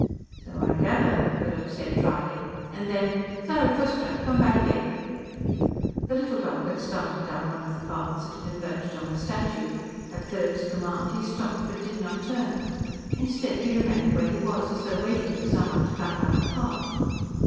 "So I gather," Philip said dryly. And then. "Zarathustra come back here!" The little dog had started down one of the paths that converged on the statue. At Philip's command, he stopped but did not turn; instead he remained where he was, as though waiting for someone to come down the path.